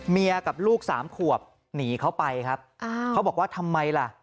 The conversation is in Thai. กับลูกสามขวบหนีเขาไปครับเขาบอกว่าทำไมล่ะ